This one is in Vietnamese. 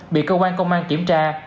bị công an công an kiểm tra